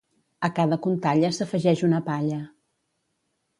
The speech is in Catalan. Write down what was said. A cada contalla s'afegeix una palla.